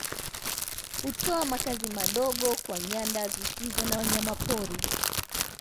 Hutoa makazi madogo kwa nyanda zisizo na wanyamapori